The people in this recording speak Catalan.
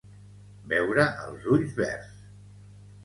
Veure els ulls verds.